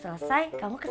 yang mau ke wc